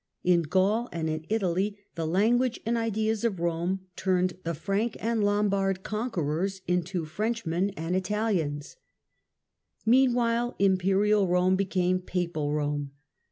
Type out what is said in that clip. In Gaul and in Italy the language and ideas of Rome turned the Frank and Lombard conquerors into French men and Italians. Rise of the Meanwhile Imperial Rome became Papal Rome.